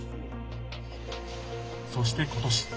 そして、今年。